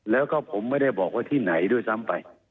แล้วก็ผมไม่ได้บอกว่าที่ไหนด้วยซ้ำไป